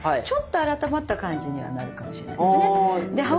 ちょっと改まった感じにはなるかもしれないですね。